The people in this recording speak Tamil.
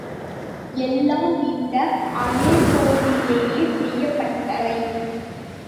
எல்லாம் இந்த அலெப்போவிலேயே செய்யப்பட்டவை.